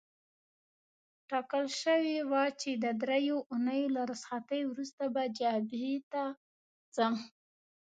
ټاکل شوې وه چې د دریو اونیو له رخصتۍ وروسته به جبهې ته ځم.